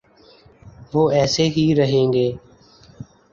وہ ایسے ہی رہیں گے۔